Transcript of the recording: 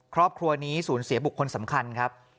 ครอบครัวนี้สูญเสียบุคคลสำคัญครับ